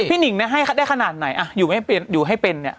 พี่หนิงนะให้ได้ขนาดไหนอยู่ให้เป็นเนี่ย